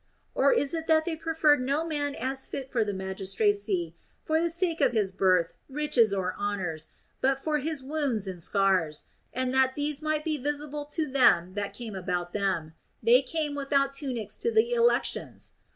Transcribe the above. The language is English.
Or is it that they pre ferred no man as fit for the magistracy for the sake of his birth, riches, or honors, but for his wounds and scars ; and that these might be visible to them that came about them, they came without tunics to the elections